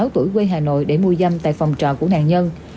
năm mươi sáu tuổi quê hà nội để mua dâm tại phòng trọ của nạn nhân